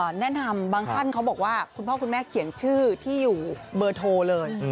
แนะนำบางท่านเขาบอกว่าคุณพ่อคุณแม่เขียนชื่อที่อยู่เบอร์โทรเลย